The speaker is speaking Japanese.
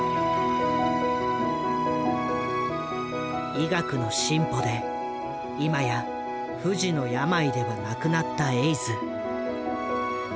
医学の進歩で今や不治の病ではなくなったエイズ。